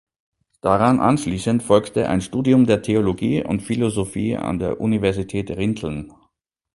Daran anschließend folgte ein Studium der Theologie und Philosophie an der Universität Rinteln.